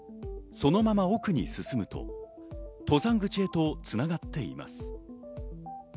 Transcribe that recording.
そのまま奥に進むと登山口へと繋がっています。